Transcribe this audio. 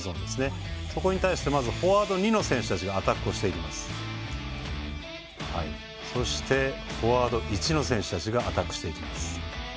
そこに対してまずフォワード２の選手たちがアタックしていってそして、フォワード１の選手がアタックしていきます。